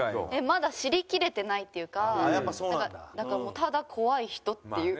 まだ知りきれてないっていうかなんかだからもうただ怖い人っていう。